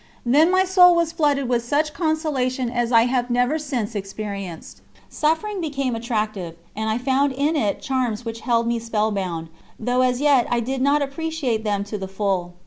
Then my soul was flooded with such consolation as I have never since experienced. Suffering became attractive, and I found in it charms which held me spellbound, though as yet I did not appreciate them to the full.